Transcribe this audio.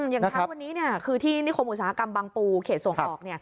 อย่างเช้าวันนี้คือที่นิคมอุตสาหกรรมบางปูเขตส่งออก